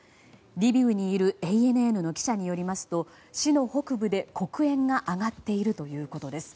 リビウにいるＡＮＮの記者によりますと市の北部で黒煙が上がっているということです。